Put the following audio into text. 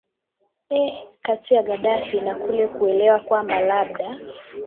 ee kati ya gadaffi na kule ku kuelewa kwamba labda